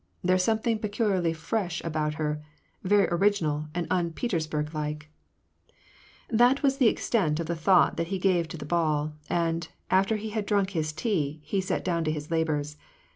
There's something peculiarly fresh about her, very original and un Petersburg like !" That was the extent of the thought that he gave to the ball ; and, after he had drunk his tea, he sat down to his labors.